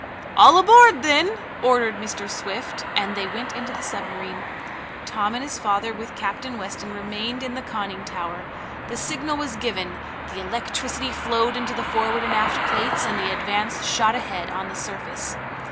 "All aboard, then," ordered Mr. Swift, and they went into the submarine. Tom and his father, with Captain Weston, remained in the conning tower. The signal was given, the electricity flowed into the forward and aft plates, and the Advance shot ahead on the surface.